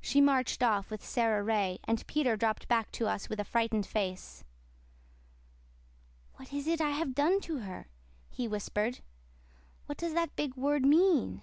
She marched off with Sara Ray, and Peter dropped back to us with a frightened face. "What is it I've done to her?" he whispered. "What does that big word mean?"